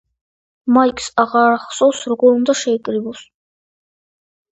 მაიკს აღარ ახსოვს როგორ უნდა შეკრიბოს.